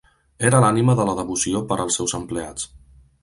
Era l'ànima de la devoció per als seus empleats.